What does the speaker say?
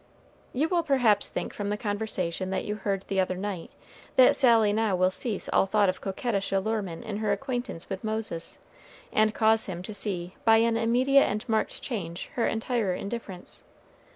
You will perhaps think from the conversation that you heard the other night, that Sally now will cease all thought of coquettish allurement in her acquaintance with Moses, and cause him to see by an immediate and marked change her entire indifference.